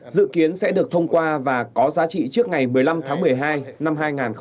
dự kiến sẽ được thông qua và có giá trị trước ngày một mươi năm tháng một mươi hai năm hai nghìn hai mươi